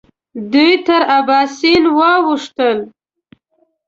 دوی تر اباسین واوښتل.